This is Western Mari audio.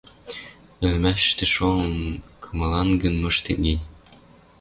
Ӹлӹмӓшӹштӹ шолын, кымылангын мыштет гӹнь